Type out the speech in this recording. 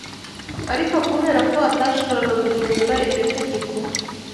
Ariko kubera ko atashoboraga guhindura iryo tegeko